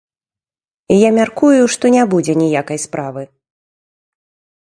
Я мяркую, што не будзе ніякай справы.